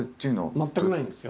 全くないんですよ。